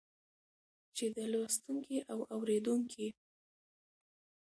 چې د لوستونکي او اورېدونکي